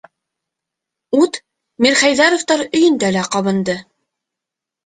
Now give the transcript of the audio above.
Ут Мирхәйҙәровтар өйөндә лә ҡабынды.